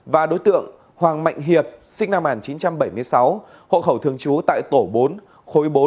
và đối tượng hoàng mạnh hiệp sinh năm một nghìn chín trăm bảy mươi sáu hộ khẩu thường trú tại tổ bốn khối bốn